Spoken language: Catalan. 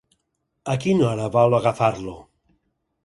A quina hora vol agafar-lo?